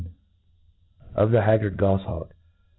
Of the Haggard Gojhawk.